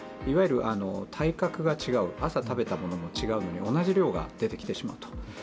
いわゆる体格が違う朝、食べたものが違うのに同じ量が出てきてしまった。